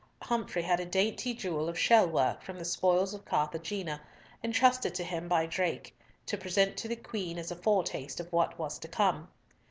Humfrey had a dainty jewel of shell work from the spoils of Carthagena, entrusted to him by Drake to present to the Queen as a foretaste of what was to come.